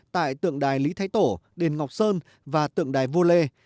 tại tượng đài lý thái tổ đền ngọc sơn và tượng đài vua lê